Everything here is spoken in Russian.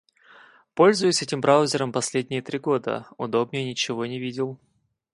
Пользуюсь этим браузером последние три года, удобнее ничего не видел.